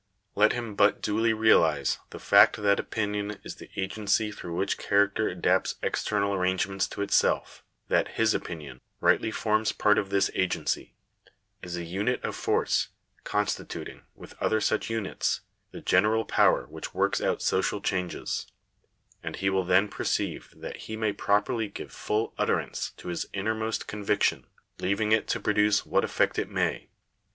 Let him but duly realize the fact that opinion is the agency through which character adapts external arrangements to itself— that his opinion rightly forms part of this agency — is a unit of force, constituting, with other such units, the general power which works out social changes — and he will then perceive that he may properly give full utterance to his innermost conviction; leaving it to produce what effect it may.